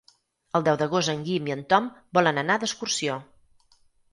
El deu d'agost en Guim i en Tom volen anar d'excursió.